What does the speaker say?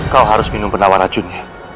kau harus minum penawar racunnya